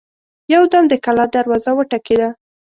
يودم د کلا دروازه وټکېده.